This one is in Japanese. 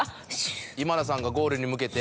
今田さんがゴールに向けて。